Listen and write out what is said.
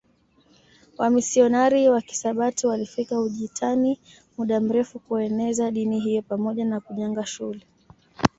Wamisionari wa Kisabato walifika Ujitani muda mrefu kueneza dini hiyo pamoja na kujenga shule